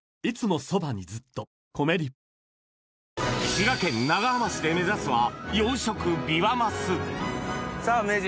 滋賀県長浜市で目指すは養殖ビワマスさぁ名人